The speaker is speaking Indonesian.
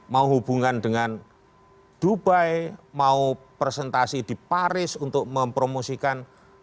mau hubungan dengan dubai mau presentasi di paris untuk mempromosikan